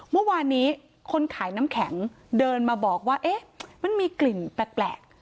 เมื่อวานนี้คนขายน้ำแข็งเดินมาบอกว่าเอ๊ะมันมีกลิ่นแปลก